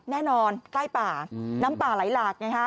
แน่นอนใกล้ป่าน้ำป่าไหลหลัก